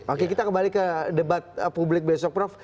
oke kita kembali ke debat publik besok prof